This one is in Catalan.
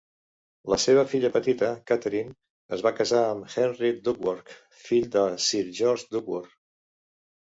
La seva filla petita, Katharine, es va casar amb Henry Duckworth, fill de Sir George Duckworth.